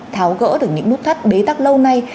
tháo gỡ được những nút thắt bế tắc lâu nay